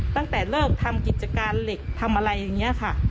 ตั้งแต่เลิกทำกิจการเหล็กทำอะไรอย่างนี้ค่ะ